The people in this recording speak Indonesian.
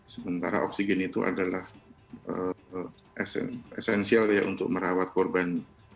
sementara oksigen itu adalah esensial ya untuk merawat korban